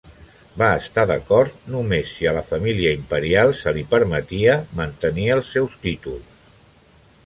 Va estar d'acord només si a la família imperial se li permetia mantenir els seus títols.